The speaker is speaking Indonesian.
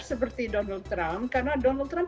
seperti donald trump karena donald trump